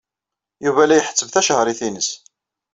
Yuba la iḥesseb tacehṛit-nnes.